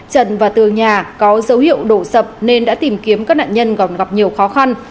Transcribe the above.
trần và tường nhà có dấu hiệu đổ sập nên đã tìm kiếm các nạn nhân còn gặp nhiều khó khăn